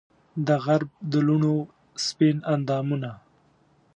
دغرب د لوڼو سپین اندامونه